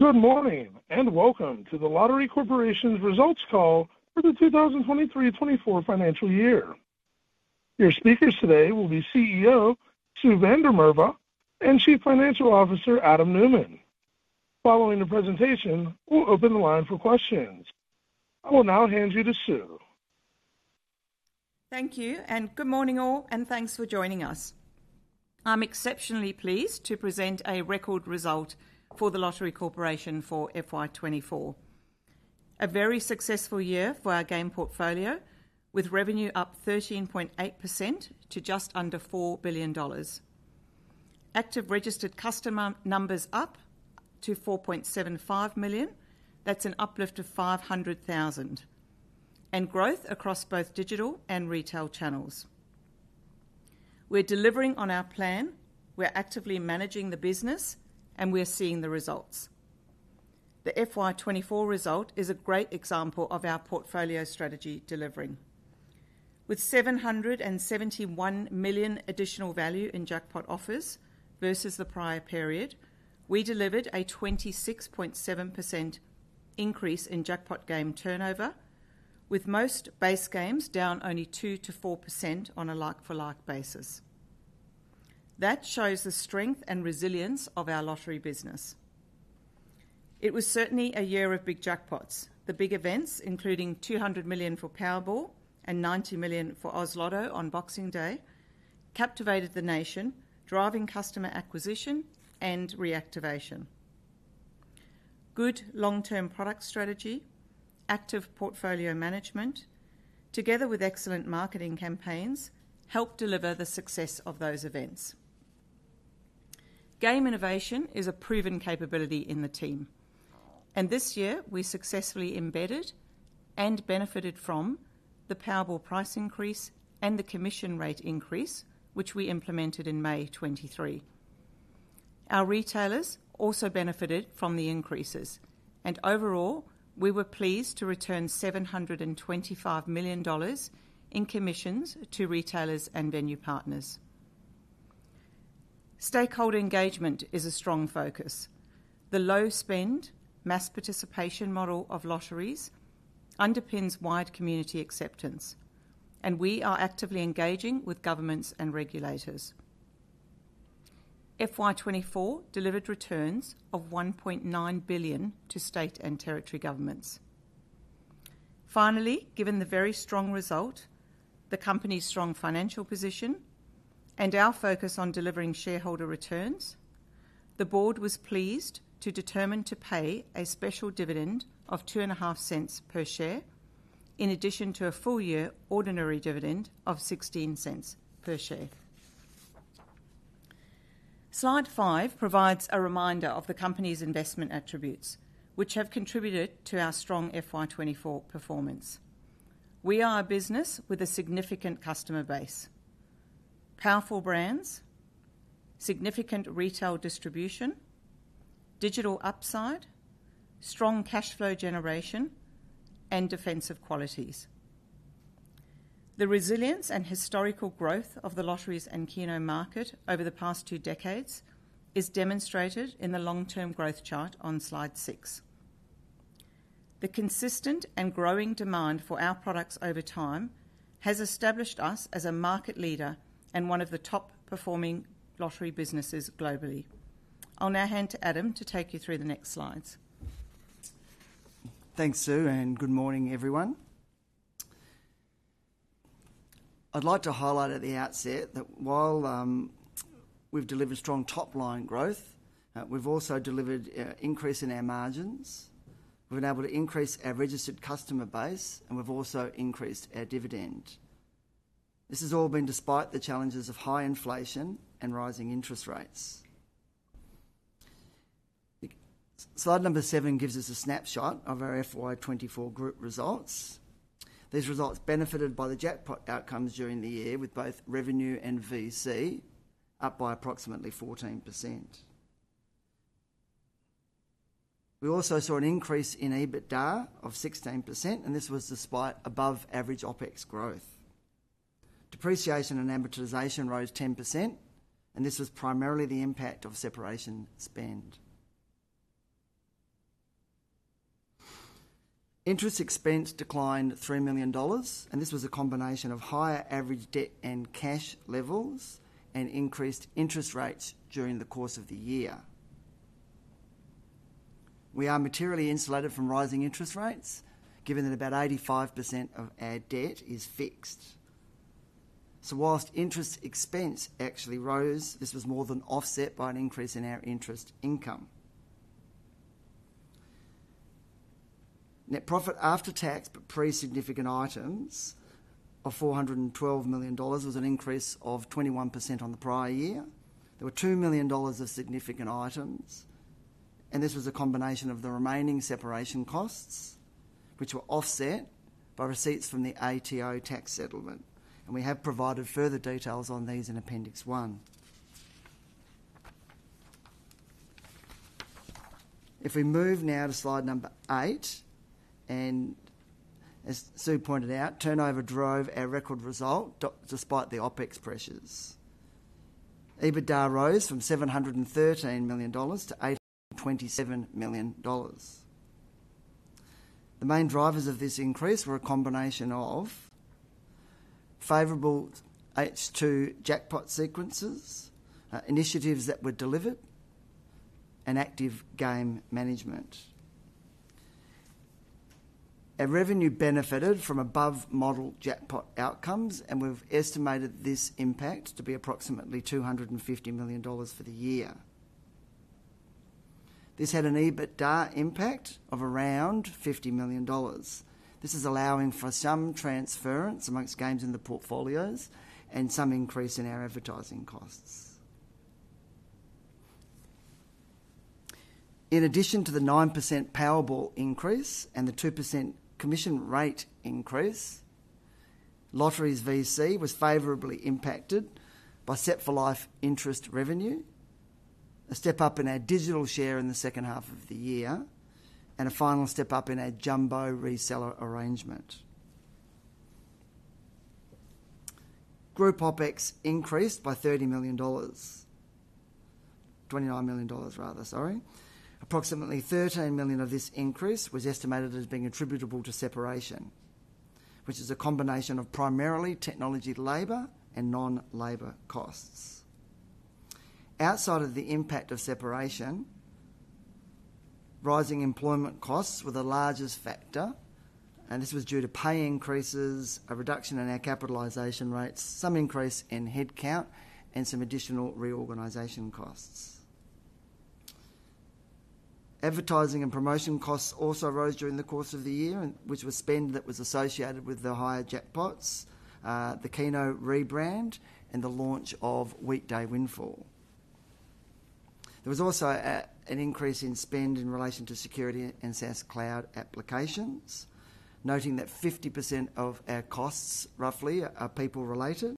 Good morning, and welcome to The Lottery Corporation's Results Call for the 2023-2024 Financial Year. Your speakers today will be CEO Sue van der Merwe and Chief Financial Officer Adam Newman. Following the presentation, we'll open the line for questions. I will now hand you to Sue. Thank you, and good morning, all, and thanks for joining us. I'm exceptionally pleased to present a record result for The Lottery Corporation for FY 2024. A very successful year for our game portfolio, with revenue up 13.8% to just under 4 billion dollars. Active registered customer numbers up to 4.75 million. That's an uplift of 500,000, and growth across both digital and retail channels. We're delivering on our plan, we're actively managing the business, and we're seeing the results. The FY 2024 result is a great example of our portfolio strategy delivering. With 771 million additional value in jackpot offers versus the prior period, we delivered a 26.7% increase in jackpot game turnover, with most base games down only 2%-4% on a like-for-like basis. That shows the strength and resilience of our lottery business. It was certainly a year of big jackpots. The big events, including 200 million for Powerball and 90 million for Oz Lotto on Boxing Day, captivated the nation, driving customer acquisition and reactivation. Good long-term product strategy, active portfolio management, together with excellent marketing campaigns, helped deliver the success of those events. Game innovation is a proven capability in the team, and this year we successfully embedded and benefited from the Powerball price increase and the commission rate increase, which we implemented in May 2023. Our retailers also benefited from the increases, and overall, we were pleased to return 725 million dollars in commissions to retailers and venue partners. Stakeholder engagement is a strong focus. The low-spend, mass participation model of lotteries underpins wide community acceptance, and we are actively engaging with governments and regulators. FY 2024 delivered returns of 1.9 billion to state and territory governments. Finally, given the very strong result, the company's strong financial position, and our focus on delivering shareholder returns, the board was pleased to determine to pay a special dividend of 0.025 per share, in addition to a full-year ordinary dividend of 0.16 per share. Slide five provides a reminder of the company's investment attributes, which have contributed to our strong FY 2024 performance. We are a business with a significant customer base, powerful brands, significant retail distribution, digital upside, strong cash flow generation, and defensive qualities. The resilience and historical growth of the lotteries and Keno market over the past two decades is demonstrated in the long-term growth chart on slide six. The consistent and growing demand for our products over time has established us as a market leader and one of the top-performing lottery businesses globally. I'll now hand to Adam to take you through the next slides. Thanks, Sue, and good morning, everyone. I'd like to highlight at the outset that while we've delivered strong top-line growth, we've also delivered a increase in our margins. We've been able to increase our registered customer base, and we've also increased our dividend. This has all been despite the challenges of high inflation and rising interest rates. Slide number seven gives us a snapshot of our FY 2024 group results. These results benefited by the jackpot outcomes during the year, with both revenue and VC up by approximately 14%. We also saw an increase in EBITDA of 16%, and this was despite above-average OpEx growth. Depreciation and amortization rose 10%, and this was primarily the impact of separation spend. Interest expense declined 3 million dollars, and this was a combination of higher average debt and cash levels and increased interest rates during the course of the year. We are materially insulated from rising interest rates, given that about 85% of our debt is fixed. So while interest expense actually rose, this was more than offset by an increase in our interest income. Net profit after tax, but pre significant items of 412 million dollars, was an increase of 21% on the prior year. There were 2 million dollars of significant items, and this was a combination of the remaining separation costs, which were offset by receipts from the ATO tax settlement, and we have provided further details on these in Appendix One. If we move now to slide number eight, and as Sue pointed out, turnover drove our record result, despite the OpEx pressures. EBITDA rose from 713 million dollars to 827 million dollars. The main drivers of this increase were a combination of favorable H2 jackpot sequences, initiatives that were delivered, and active game management. Our revenue benefited from above model jackpot outcomes, and we've estimated this impact to be approximately 250 million dollars for the year. This had an EBITDA impact of around 50 million dollars. This is allowing for some transference amongst games in the portfolios and some increase in our advertising costs. In addition to the 9% Powerball increase and the 2% commission rate increase, Lotteries VC was favorably impacted by Set for Life interest revenue, a step up in our digital share in the second half of the year, and a final step up in our Jumbo reseller arrangement. Group OpEx increased by 30 million dollars. 29 million dollars, rather, sorry. Approximately 13 million of this increase was estimated as being attributable to separation, which is a combination of primarily technology, labor, and non-labor costs. Outside of the impact of separation, rising employment costs were the largest factor, and this was due to pay increases, a reduction in our capitalization rates, some increase in headcount, and some additional reorganization costs. Advertising and promotion costs also rose during the course of the year, and which was spend that was associated with the higher jackpots, the Keno rebrand, and the launch of Weekday Windfall. There was also an increase in spend in relation to security and SaaS cloud applications, noting that 50% of our costs, roughly, are people-related,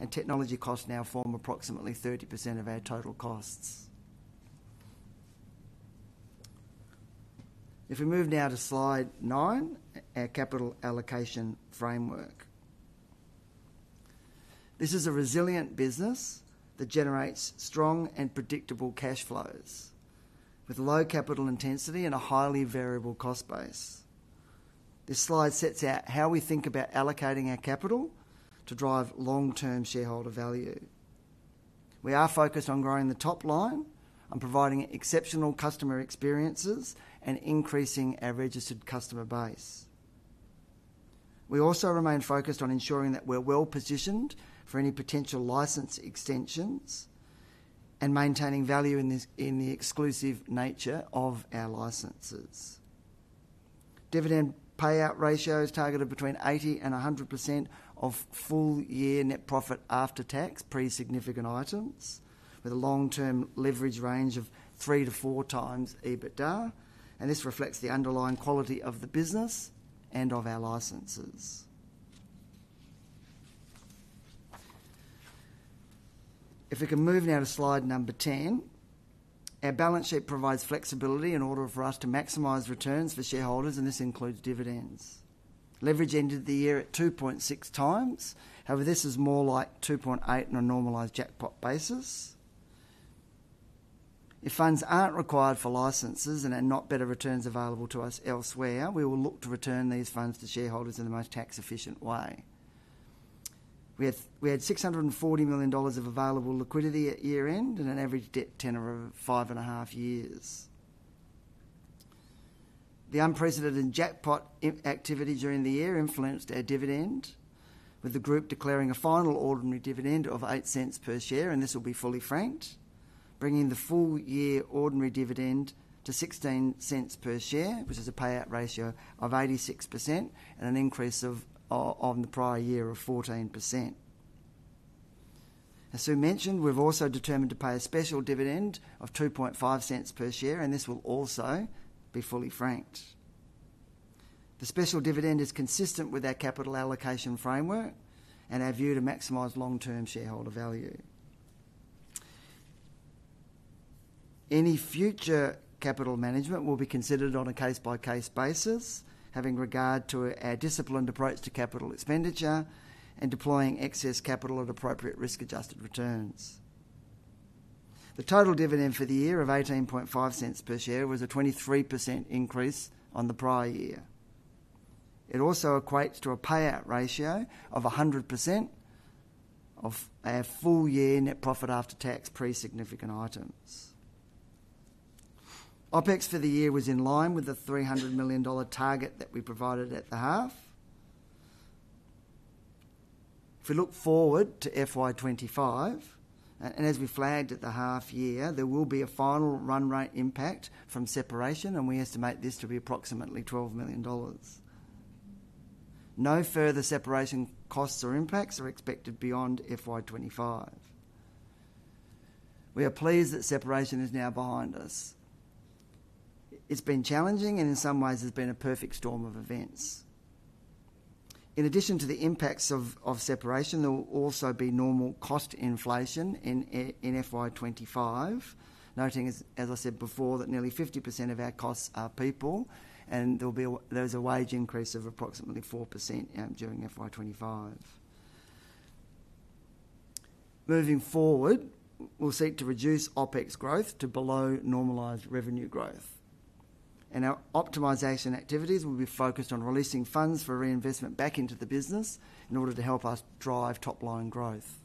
and technology costs now form approximately 30% of our total costs. If we move now to slide nine, our capital allocation framework. This is a resilient business that generates strong and predictable cash flows with low capital intensity and a highly variable cost base. This slide sets out how we think about allocating our capital to drive long-term shareholder value. We are focused on growing the top line and providing exceptional customer experiences and increasing our registered customer base. We also remain focused on ensuring that we're well-positioned for any potential license extensions and maintaining value in this, in the exclusive nature of our licenses. Dividend payout ratio is targeted between 80% and 100% of full year net profit after tax, pre significant items, with a long-term leverage range of 3-4 times EBITDA, and this reflects the underlying quality of the business and of our licenses. If we can move now to slide number 10. Our balance sheet provides flexibility in order for us to maximize returns for shareholders, and this includes dividends. Leverage ended the year at 2.6 times. However, this is more like 2.8 on a normalized jackpot basis. If funds aren't required for licenses and are not better returns available to us elsewhere, we will look to return these funds to shareholders in the most tax-efficient way. We had 640 million dollars of available liquidity at year-end and an average debt tenor of 5.5 years. The unprecedented jackpot activity during the year influenced our dividend, with the group declaring a final ordinary dividend of 0.08 per share, and this will be fully franked, bringing the full year ordinary dividend to 0.16 per share, which is a payout ratio of 86% and an increase of on the prior year of 14%. As Sue mentioned, we've also determined to pay a special dividend of 0.025 per share, and this will also be fully franked. The special dividend is consistent with our capital allocation framework and our view to maximize long-term shareholder value. Any future capital management will be considered on a case-by-case basis, having regard to our disciplined approach to capital expenditure and deploying excess capital at appropriate risk-adjusted returns. The total dividend for the year of 0.185 per share was a 23% increase on the prior year. It also equates to a payout ratio of 100% of our full year net profit after tax, pre significant items. OpEx for the year was in line with the 300 million dollar target that we provided at the half. If we look forward to FY 2025, and as we flagged at the half year, there will be a final run rate impact from separation, and we estimate this to be approximately 12 million dollars. No further separation costs or impacts are expected beyond FY 2025. We are pleased that separation is now behind us. It's been challenging, and in some ways, it's been a perfect storm of events. In addition to the impacts of separation, there will also be normal cost inflation in FY 2025. Noting, as I said before, that nearly 50% of our costs are people, and there's a wage increase of approximately 4% during FY 2025. Moving forward, we'll seek to reduce OpEx growth to below normalized revenue growth, and our optimization activities will be focused on releasing funds for reinvestment back into the business in order to help us drive top-line growth.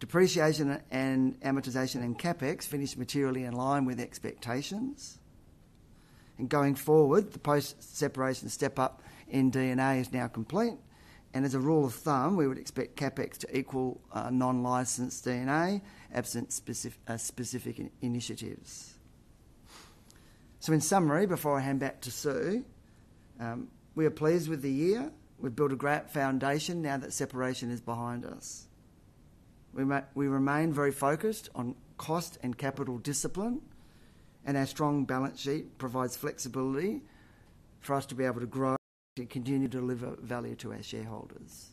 Depreciation and amortization and CapEx finished materially in line with expectations, and going forward, the post-separation step-up in D&A is now complete, and as a rule of thumb, we would expect CapEx to equal non-licensed D&A, absent specific initiatives. So in summary, before I hand back to Sue, we are pleased with the year. We've built a great foundation now that separation is behind us. We remain very focused on cost and capital discipline, and our strong balance sheet provides flexibility for us to be able to grow and continue to deliver value to our shareholders.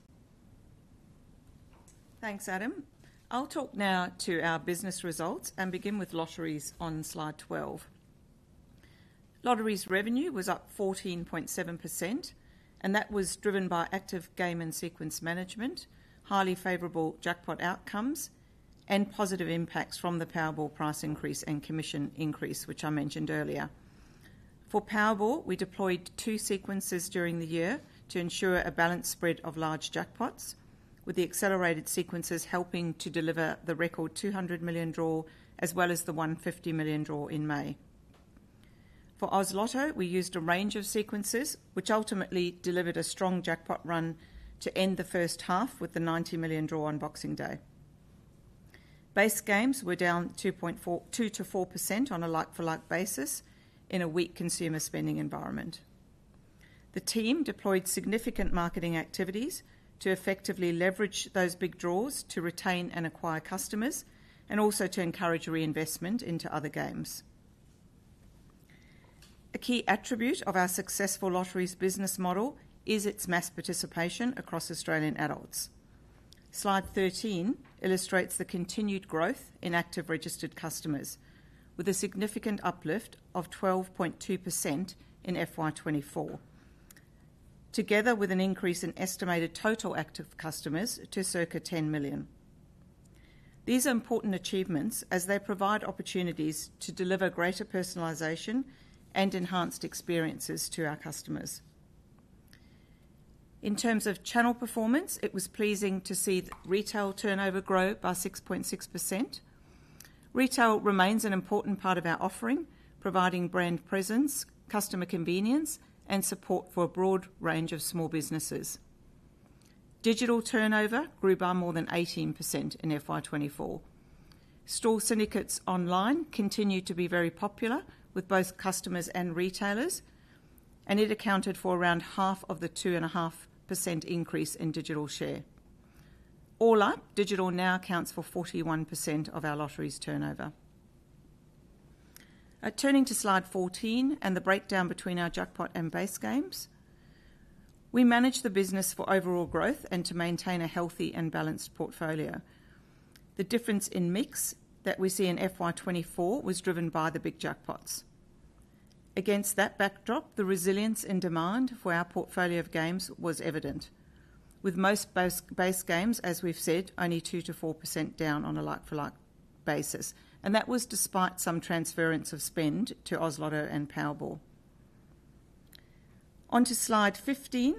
Thanks, Adam. I'll talk now to our business results and begin with Lotteries on slide 12. Lotteries revenue was up 14.7%, and that was driven by active game and sequence management, highly favorable jackpot outcomes, and positive impacts from the Powerball price increase and commission increase, which I mentioned earlier. For Powerball, we deployed two sequences during the year to ensure a balanced spread of large jackpots, with the accelerated sequences helping to deliver the record 200 million draw, as well as the 150 million draw in May. For Oz Lotto, we used a range of sequences, which ultimately delivered a strong jackpot run to end the first half with the 90 million draw on Boxing Day. Base games were down 2%-4% on a like-for-like basis in a weak consumer spending environment. The team deployed significant marketing activities to effectively leverage those big draws to retain and acquire customers, and also to encourage reinvestment into other games. A key attribute of our successful Lotteries business model is its mass participation across Australian adults. Slide 13 illustrates the continued growth in active registered customers, with a significant uplift of 12.2% in FY 2024, together with an increase in estimated total active customers to circa 10 million. These are important achievements as they provide opportunities to deliver greater personalization and enhanced experiences to our customers. In terms of channel performance, it was pleasing to see retail turnover grow by 6.6%. Retail remains an important part of our offering, providing brand presence, customer convenience, and support for a broad range of small businesses. Digital turnover grew by more than 18% in FY 2024. Store syndicates online continue to be very popular with both customers and retailers, and it accounted for around half of the 2.5% increase in digital share. All up, digital now accounts for 41% of our Lotteries turnover. Turning to slide 14 and the breakdown between our jackpot and base games. We manage the business for overall growth and to maintain a healthy and balanced portfolio. The difference in mix that we see in FY 2024 was driven by the big jackpots. Against that backdrop, the resilience in demand for our portfolio of games was evident, with most base games, as we've said, only 2%-4% down on a like-for-like basis, and that was despite some transference of spend to Oz Lotto and Powerball. On to slide 15.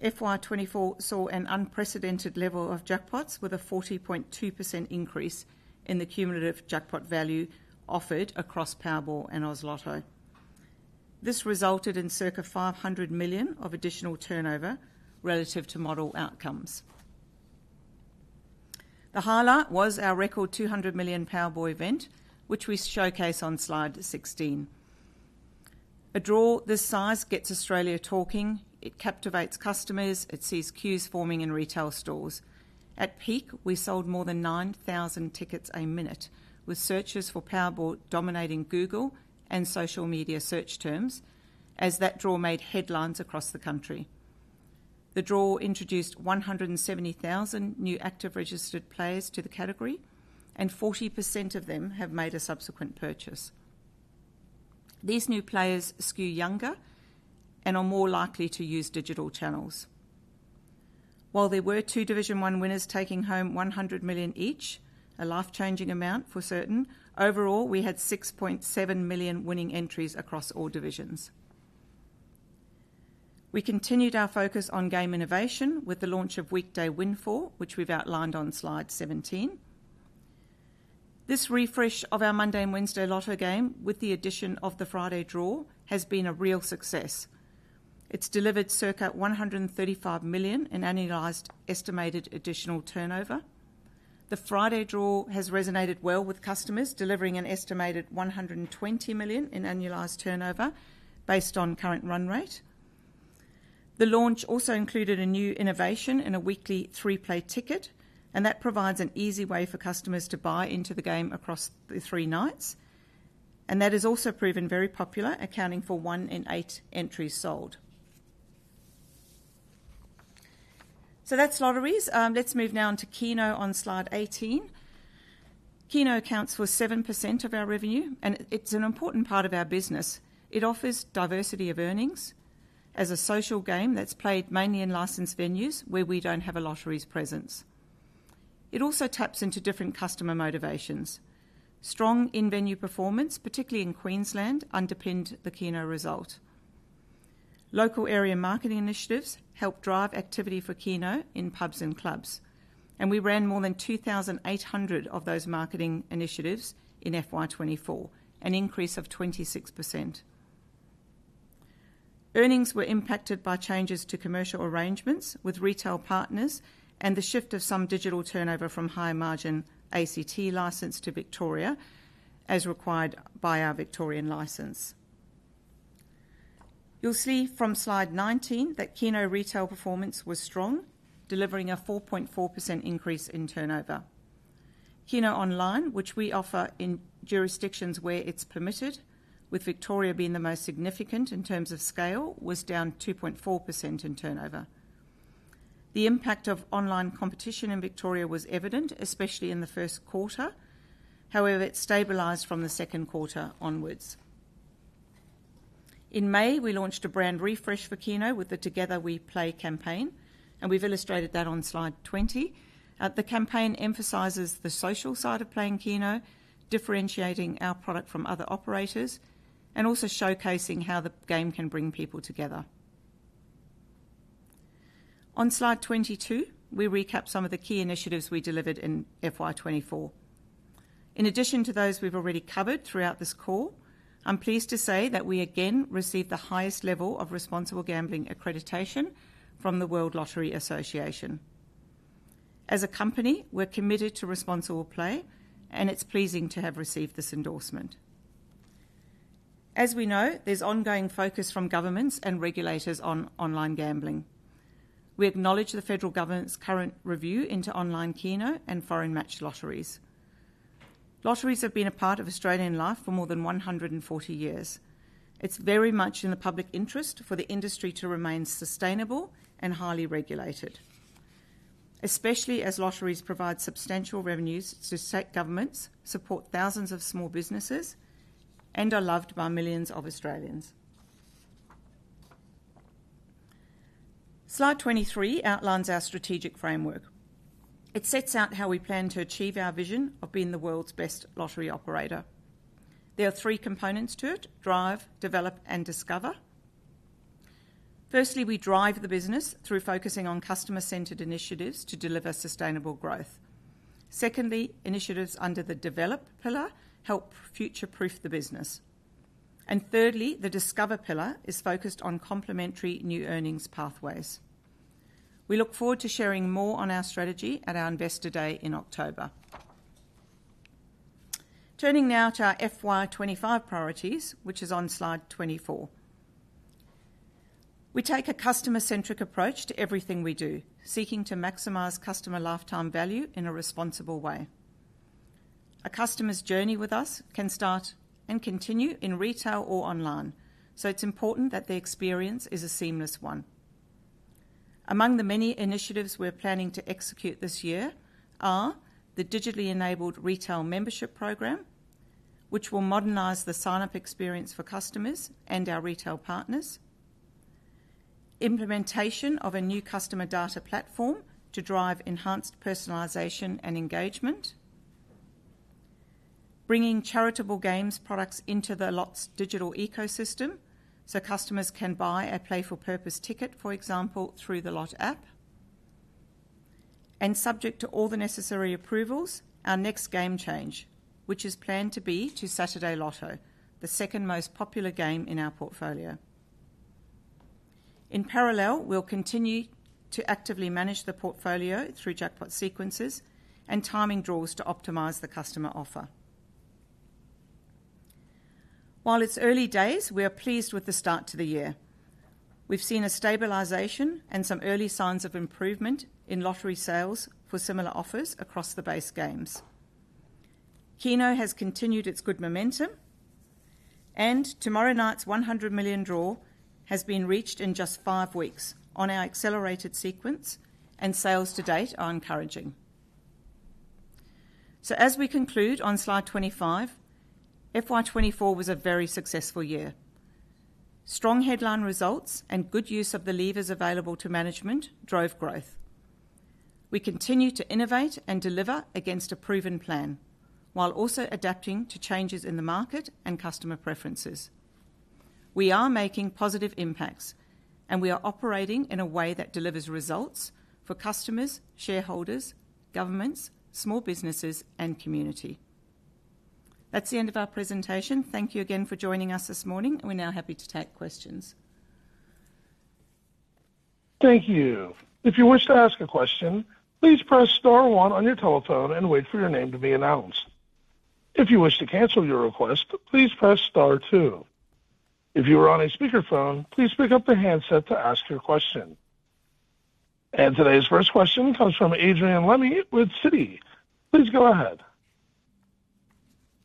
FY 2024 saw an unprecedented level of jackpots with a 40.2% increase in the cumulative jackpot value offered across Powerball and Oz Lotto. This resulted in circa 500 million of additional turnover relative to model outcomes. The highlight was our record 200 million Powerball event, which we showcase on slide 16. A draw this size gets Australia talking. It captivates customers. It sees queues forming in retail stores. At peak, we sold more than 9,000 tickets a minute, with searches for Powerball dominating Google and social media search terms, as that draw made headlines across the country. The draw introduced 170,000 new active registered players to the category, and 40% of them have made a subsequent purchase. These new players skew younger and are more likely to use digital channels. While there were two Division 1 winners taking home 100 million each, a life-changing amount for certain, overall, we had 6.7 million winning entries across all divisions. We continued our focus on game innovation with the launch of Weekday Windfall, which we've outlined on slide 17. This refresh of our Monday and Wednesday Lotto game, with the addition of the Friday draw, has been a real success. It's delivered circa 135 million in annualized estimated additional turnover. The Friday draw has resonated well with customers, delivering an estimated 120 million in annualized turnover based on current run rate. The launch also included a new innovation in a weekly three-play ticket, and that provides an easy way for customers to buy into the game across the three nights. That has also proven very popular, accounting for one in eight entries sold. So that's Lotteries. Let's move now on to Keno on slide 18. Keno accounts for 7% of our revenue, and it's an important part of our business. It offers diversity of earnings as a social game that's played mainly in licensed venues where we don't have a lottery's presence. It also taps into different customer motivations. Strong in-venue performance, particularly in Queensland, underpinned the Keno result. Local area marketing initiatives helped drive activity for Keno in pubs and clubs, and we ran more than 2,800 of those marketing initiatives in FY 2024, an increase of 26%. Earnings were impacted by changes to commercial arrangements with retail partners and the shift of some digital turnover from high-margin ACT license to Victoria, as required by our Victorian license. You'll see from slide 19 that Keno retail performance was strong, delivering a 4.4% increase in turnover. Keno Online, which we offer in jurisdictions where it's permitted, with Victoria being the most significant in terms of scale, was down 2.4% in turnover. The impact of online competition in Victoria was evident, especially in the first quarter. However, it stabilized from the second quarter onwards. In May, we launched a brand refresh for Keno with the Together We Play campaign, and we've illustrated that on slide 20. The campaign emphasizes the social side of playing Keno, differentiating our product from other operators, and also showcasing how the game can bring people together. On slide 22, we recap some of the key initiatives we delivered in FY 2024. In addition to those we've already covered throughout this call, I'm pleased to say that we again received the highest level of responsible gambling accreditation from the World Lottery Association. As a company, we're committed to responsible play, and it's pleasing to have received this endorsement. As we know, there's ongoing focus from governments and regulators on online gambling. We acknowledge the federal government's current review into online Keno and foreign matched lotteries. Lotteries have been a part of Australian life for more than 140 years. It's very much in the public interest for the industry to remain sustainable and highly regulated, especially as lotteries provide substantial revenues to state governments, support thousands of small businesses, and are loved by millions of Australians. Slide 23 outlines our strategic framework. It sets out how we plan to achieve our vision of being the world's best lottery operator. There are three components to it: drive, develop, and discover. Firstly, we drive the business through focusing on customer-centered initiatives to deliver sustainable growth. Secondly, initiatives under the develop pillar help future-proof the business. And thirdly, the discover pillar is focused on complementary new earnings pathways. We look forward to sharing more on our strategy at our Investor Day in October. Turning now to our FY 2025 priorities, which is on slide 24. We take a customer-centric approach to everything we do, seeking to maximize customer lifetime value in a responsible way. A customer's journey with us can start and continue in retail or online, so it's important that the experience is a seamless one. Among the many initiatives we're planning to execute this year are the digitally enabled retail membership program, which will modernize the sign-up experience for customers and our retail partners, implementation of a new customer data platform to drive enhanced personalization and engagement, bringing charitable games products into The Lott digital ecosystem so customers can buy a Play For Purpose ticket, for example, through The Lott app, and subject to all the necessary approvals, our next game change, which is planned to be to Saturday Lotto, the second most popular game in our portfolio. In parallel, we'll continue to actively manage the portfolio through jackpot sequences and timing draws to optimize the customer offer. While it's early days, we are pleased with the start to the year. We've seen a stabilization and some early signs of improvement in lottery sales for similar offers across the base games. Keno has continued its good momentum, and tomorrow night's 100 million draw has been reached in just five weeks on our accelerated sequence, and sales to date are encouraging. As we conclude on slide 25, FY 2024 was a very successful year. Strong headline results and good use of the levers available to management drove growth. We continue to innovate and deliver against a proven plan, while also adapting to changes in the market and customer preferences. We are making positive impacts, and we are operating in a way that delivers results for customers, shareholders, governments, small businesses, and community. That's the end of our presentation. Thank you again for joining us this morning, and we're now happy to take questions. Thank you. If you wish to ask a question, please press star one on your telephone and wait for your name to be announced. If you wish to cancel your request, please press star two. If you are on a speakerphone, please pick up the handset to ask your question. And today's first question comes from Adrian Lemme with Citi. Please go ahead. ...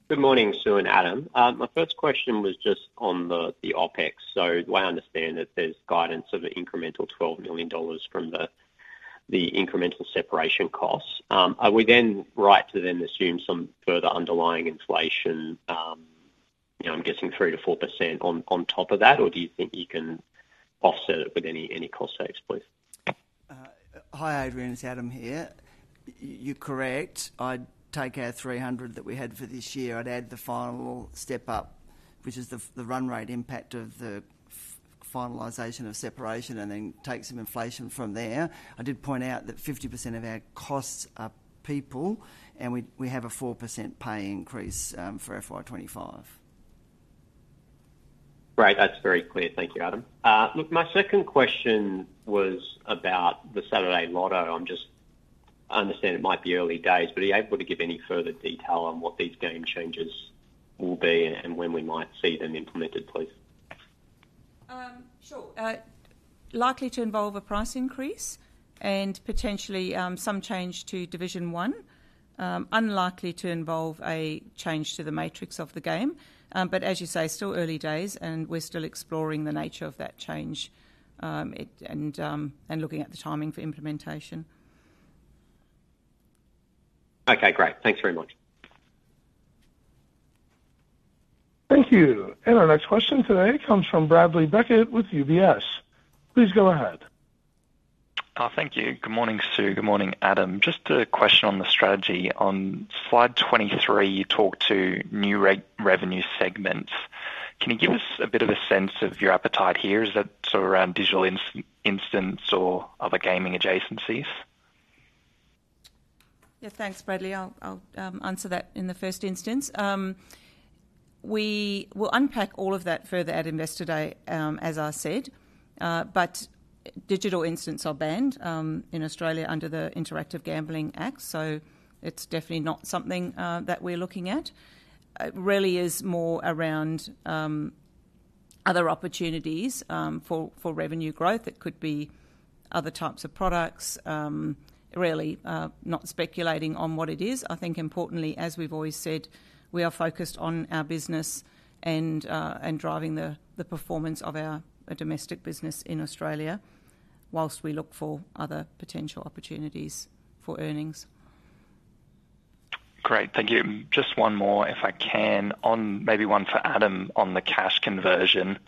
Good morning, Sue and Adam. My first question was just on the OpEx. So the way I understand it, there's guidance of an incremental 12 million dollars from the incremental separation costs. Are we then right to assume some further underlying inflation, you know, I'm guessing 3%-4% on top of that? Or do you think you can offset it with any cost saves, please? Hi, Adrian, it's Adam here. You're correct. I'd take our three hundred that we had for this year, I'd add the final step up, which is the run rate impact of the finalization of separation, and then take some inflation from there. I did point out that 50% of our costs are people, and we have a 4% pay increase for FY 2025. Great. That's very clear. Thank you, Adam. Look, my second question was about the Saturday Lotto. I'm just-- I understand it might be early days, but are you able to give any further detail on what these game changes will be and when we might see them implemented, please? Sure. Likely to involve a price increase and potentially some change to Division 1. Unlikely to involve a change to the matrix of the game, but as you say, still early days, and we're still exploring the nature of that change and looking at the timing for implementation. Okay, great. Thanks very much. Thank you. And our next question today comes from Bradley Beckett with UBS. Please go ahead. Thank you. Good morning, Sue. Good morning, Adam. Just a question on the strategy. On Slide 23, you talked to new revenue segments. Can you give us a bit of a sense of your appetite here? Is that sort of around digital instant or other gaming adjacencies? Yeah, thanks, Bradley. I'll answer that in the first instance. We will unpack all of that further at Investor Day, as I said, but digital instants are banned in Australia under the Interactive Gambling Act, so it's definitely not something that we're looking at. It really is more around other opportunities for revenue growth. It could be other types of products, really, not speculating on what it is. I think importantly, as we've always said, we are focused on our business and driving the performance of our domestic business in Australia whilst we look for other potential opportunities for earnings. Great. Thank you. Just one more, if I can, on maybe one for Adam on the cash conversion.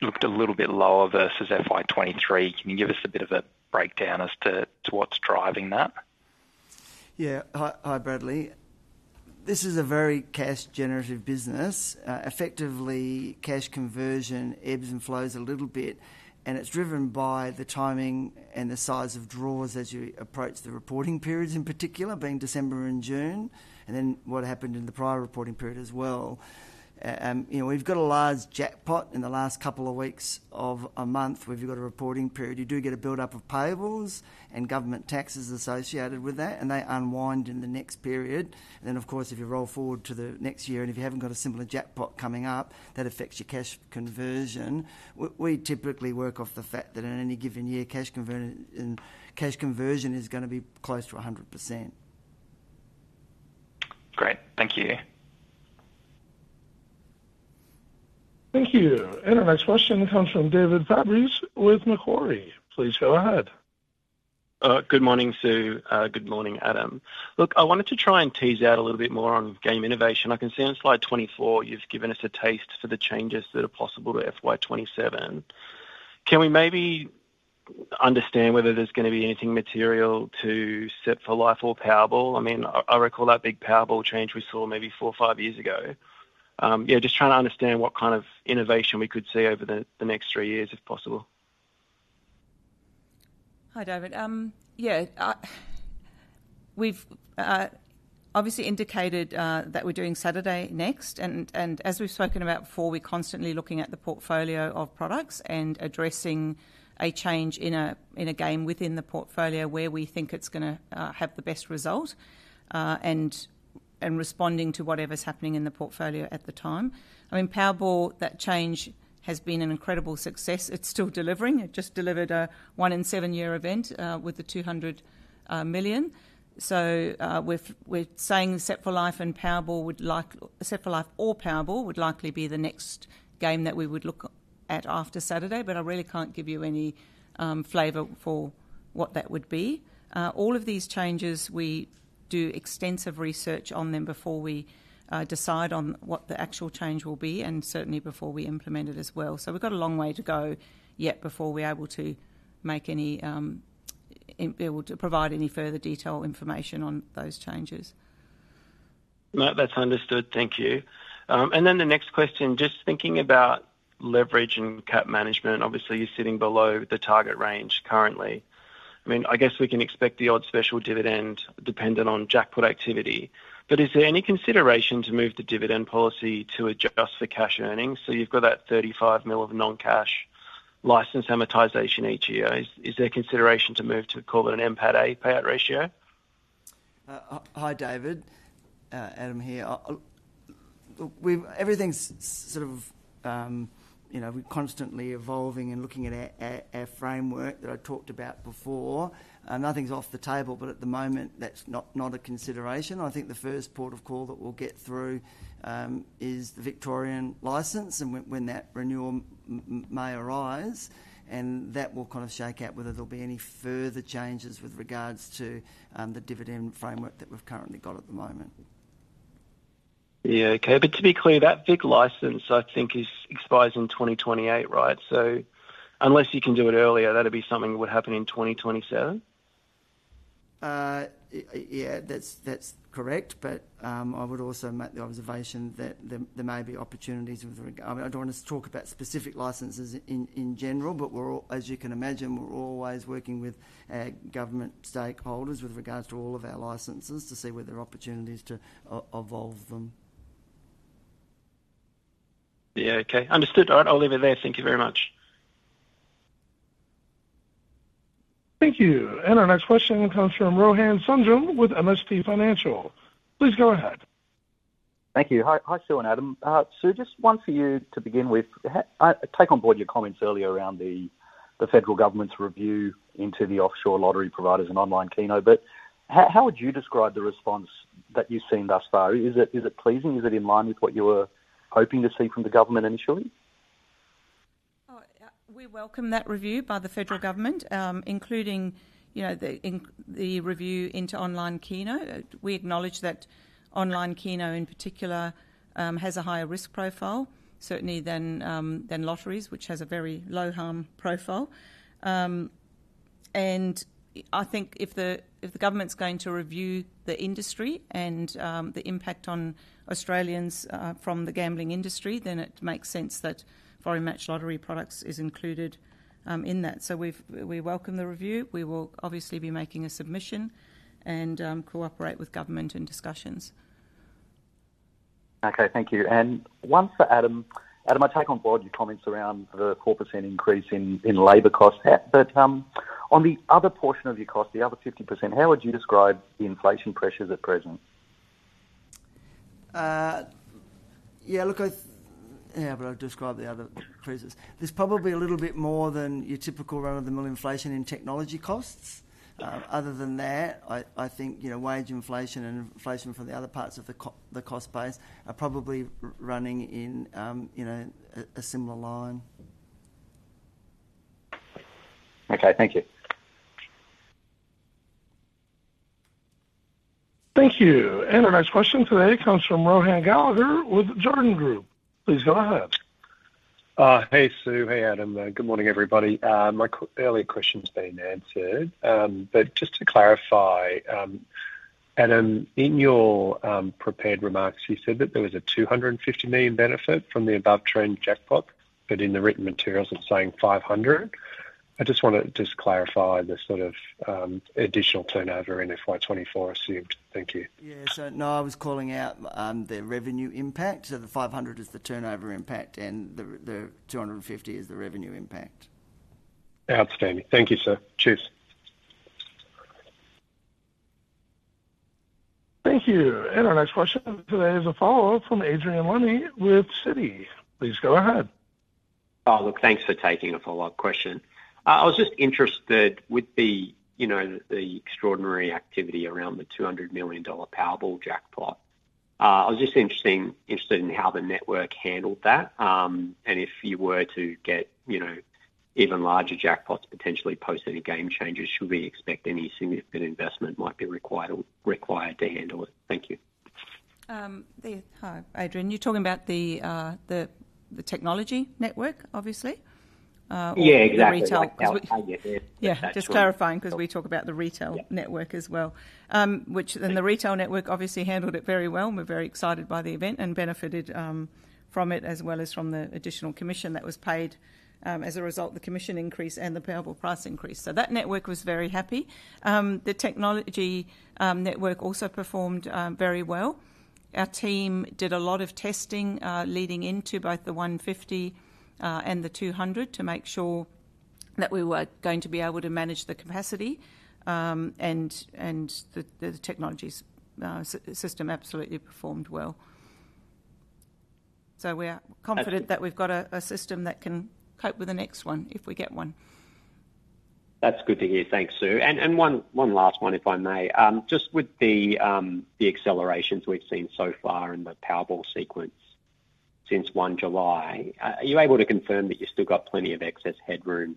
Looked a little bit lower versus FY 2023. Can you give us a bit of a breakdown as to what's driving that? Yeah. Hi, hi, Bradley. This is a very cash-generative business. Effectively, cash conversion ebbs and flows a little bit, and it's driven by the timing and the size of draws as you approach the reporting periods, in particular, being December and June, and then what happened in the prior reporting period as well. You know, we've got a large jackpot in the last couple of weeks of a month, where if you've got a reporting period, you do get a buildup of payables and government taxes associated with that, and they unwind in the next period. Then, of course, if you roll forward to the next year, and if you haven't got a similar jackpot coming up, that affects your cash conversion. We typically work off the fact that in any given year, cash conversion, and cash conversion is gonna be close to 100%. Great. Thank you. Thank you. And our next question comes from David Fabris with Macquarie. Please go ahead. Good morning, Sue. Good morning, Adam. Look, I wanted to try and tease out a little bit more on game innovation. I can see on slide 24, you've given us a taste for the changes that are possible to FY 2027. Can we maybe understand whether there's gonna be anything material to Set for Life or Powerball? I mean, I recall that big Powerball change we saw maybe four or five years ago. Yeah, just trying to understand what kind of innovation we could see over the next three years, if possible. Hi, David. Yeah, we've obviously indicated that we're doing Saturday next, and as we've spoken about before, we're constantly looking at the portfolio of products and addressing a change in a game within the portfolio where we think it's gonna have the best result, and responding to whatever's happening in the portfolio at the time. I mean, Powerball, that change has been an incredible success. It's still delivering. It just delivered a one-in-seven-year event with the 200 million. So, we're saying Set for Life and Powerball would like... Set for Life or Powerball would likely be the next game that we would look at after Saturday, but I really can't give you any flavor for what that would be. All of these changes, we do extensive research on them before we decide on what the actual change will be, and certainly before we implement it as well. So we've got a long way to go, yet before we're able to make any, and be able to provide any further detail or information on those changes. No, that's understood. Thank you. And then the next question, just thinking about leverage and cap management, obviously, you're sitting below the target range currently. I mean, I guess we can expect the odd special dividend dependent on jackpot activity. But is there any consideration to move the dividend policy to adjust for cash earnings? So you've got that 35 million of non-cash license amortization each year. Is there consideration to move to call it an NPAT payout ratio? Hi, David. Adam here. Everything's sort of, you know, we're constantly evolving and looking at our framework that I talked about before. Nothing's off the table, but at the moment, that's not a consideration. I think the first port of call that we'll get through is the Victorian license, and when that renewal may arise, and that will kind of shake out whether there'll be any further changes with regards to the dividend framework that we've currently got at the moment. Yeah, okay. But to be clear, that Vic license, I think, is expires in 2028, right? So unless you can do it earlier, that'd be something that would happen in 2027? Yeah, that's correct. But I would also make the observation that there may be opportunities with regard-- I mean, I don't want to talk about specific licenses in general, but we're always... As you can imagine, we're always working with government stakeholders with regards to all of our licenses to see whether there are opportunities to evolve them. Yeah, okay. Understood. All right, I'll leave it there. Thank you very much. Thank you. And our next question comes from Rohan Sundram with MST Financial. Please go ahead. Thank you. Hi. Hi, Sue and Adam. Sue, just one for you to begin with. I take on board your comments earlier around the federal government's review into the offshore lottery providers and online keno, but how would you describe the response that you've seen thus far? Is it pleasing? Is it in line with what you were hoping to see from the government initially? We welcome that review by the federal government, including the review into online keno. We acknowledge that online keno, in particular, has a higher risk profile, certainly than lotteries, which has a very low harm profile. I think if the government's going to review the industry and the impact on Australians from the gambling industry, then it makes sense that foreign matched lottery products is included in that. So we welcome the review. We will obviously be making a submission and cooperate with government in discussions. Okay, thank you. And one for Adam. Adam, I take on board your comments around the 4% increase in labor costs, but on the other portion of your cost, the other 50%, how would you describe the inflation pressures at present? Yeah, look. Yeah, but I've described the other increases. There's probably a little bit more than your typical run-of-the-mill inflation in technology costs. Mm-hmm. Other than that, I think, you know, wage inflation and inflation for the other parts of the cost base are probably running in, you know, a similar line. Okay, thank you. Thank you. And our next question today comes from Rohan Gallagher with Jarden Group. Please go ahead. Hey, Sue. Hey, Adam. Good morning, everybody. My earlier question has been answered, but just to clarify, Adam, in your prepared remarks, you said that there was a 250 million benefit from the above-trend jackpot, but in the written materials, it's saying 500. I just wanted to clarify the sort of additional turnover in FY 2024 assumed. Thank you. Yeah. So no, I was calling out the revenue impact. So the 500 is the turnover impact, and the 250 is the revenue impact. Outstanding. Thank you, sir. Cheers. Thank you. And our next question today is a follow-up from Adrian Lemme with Citi. Please go ahead. Oh, look, thanks for taking a follow-up question. I was just interested, with the, you know, the extraordinary activity around the 200 million dollar Powerball jackpot, in how the network handled that. And if you were to get, you know, even larger jackpots, potentially post any game changes, should we expect any significant investment might be required to handle it? Thank you. Hi, Adrian, you're talking about the technology network, obviously? Or- Yeah, exactly. -the retail. I get there. Yeah, just clarifying, 'cause we talk about the retail- Yeah -network as well. Which, and the retail network obviously handled it very well, and we're very excited by the event and benefited from it, as well as from the additional commission that was paid as a result of the commission increase and the Powerball price increase. So that network was very happy. The technology network also performed very well. Our team did a lot of testing, leading into both the one fifty and the two hundred, to make sure that we were going to be able to manage the capacity, and, and the, the technology's system absolutely performed well. So we are confident- Thank you. -that we've got a system that can cope with the next one, if we get one. That's good to hear. Thanks, Sue. And one last one, if I may. Just with the accelerations we've seen so far in the Powerball sequence since one July, are you able to confirm that you've still got plenty of excess headroom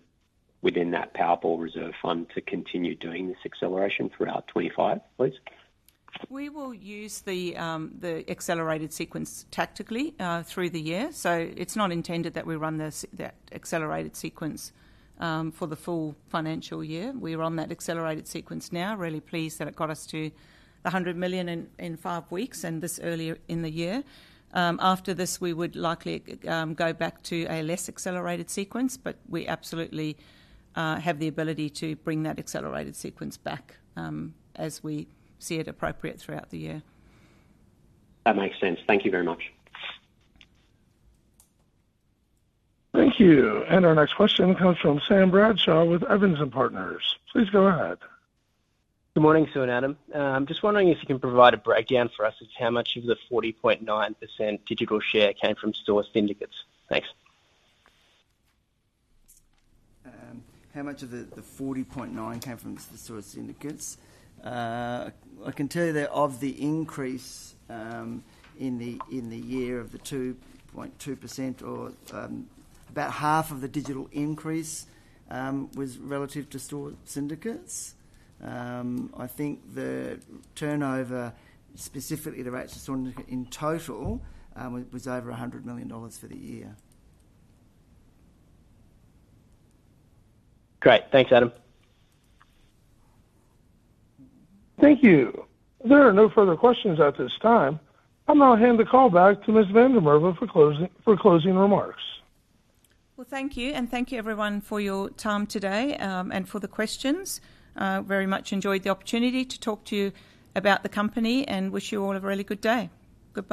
within that Powerball reserve fund to continue doing this acceleration throughout 2025, please? We will use the accelerated sequence tactically through the year. So it's not intended that we run this, the accelerated sequence, for the full financial year. We're on that accelerated sequence now. Really pleased that it got us to the 100 million in five weeks, and this earlier in the year. After this, we would likely go back to a less accelerated sequence, but we absolutely have the ability to bring that accelerated sequence back, as we see it appropriate throughout the year. That makes sense. Thank you very much. Thank you. And our next question comes from Sam Bradshaw with Evans & Partners. Please go ahead. Good morning, Sue and Adam. I'm just wondering if you can provide a breakdown for us as how much of the 40.9% digital share came from store syndicates. Thanks. How much of the 40.9 came from the store syndicates? I can tell you that of the increase in the year, 2.2% or about half of the digital increase was relative to store syndicates. I think the turnover, specifically relates to store syndicate in total, was over 100 million dollars for the year. Great! Thanks, Adam. Thank you. There are no further questions at this time. I'll now hand the call back to Ms. van der Merwe for closing remarks. Thank you, and thank you, everyone, for your time today, and for the questions. Very much enjoyed the opportunity to talk to you about the company, and wish you all a really good day. Goodbye.